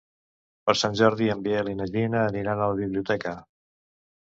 Per Sant Jordi en Biel i na Gina aniran a la biblioteca.